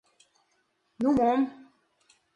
Ну, мом?